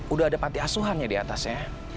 udah ada panti asuhannya diatasnya